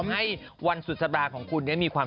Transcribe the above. ให้วันสุดสบายของคุณเนี่ย